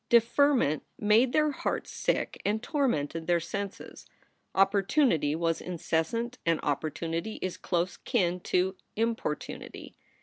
Deferment made their hearts sick and tormented their senses. Opportunity was incessant and opportunity is close kin to importunity.